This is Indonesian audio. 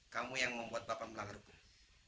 kamu yang membuat bapak melanggar hukum